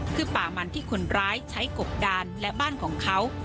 คือป่ามันที่คนร้ายใช้กบดานและบ้านของเขา